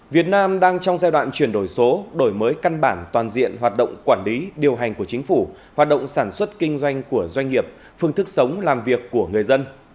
việt nam đang trong giai đoạn chuyển đổi số đổi mới căn bản toàn diện hoạt động quản lý điều hành của chính phủ hoạt động sản xuất kinh doanh của doanh nghiệp phương thức sống làm việc của người dân